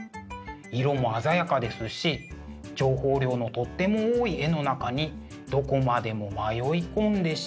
色も鮮やかですし情報量のとっても多い絵の中にどこまでも迷い込んでしまいそうな。